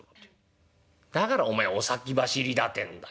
「だからお前お先走りだっていうんだよ。